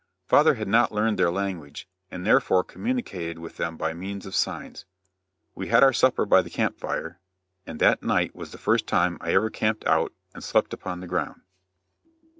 Father had not learned their language, and therefore communicated with them by means of signs. We had our supper by the camp fire, and that night was the first time I ever camped out and slept upon the ground.